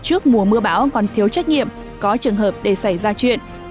trước mùa mưa bão còn thiếu trách nhiệm có trường hợp để xảy ra chuyện